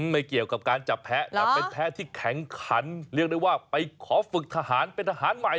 ไม่เกี่ยวกับการจับแพ้แต่เป็นแพ้ที่แข็งขันเรียกได้ว่าไปขอฝึกทหารเป็นทหารใหม่